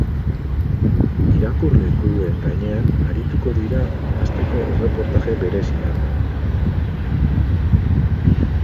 Irakurle kluben gainean arituko dira asteko erreportaje berezian.